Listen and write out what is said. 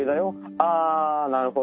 「あぁなるほど。